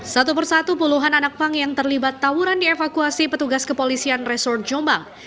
satu persatu puluhan anak pang yang terlibat tawuran dievakuasi petugas kepolisian resort jombang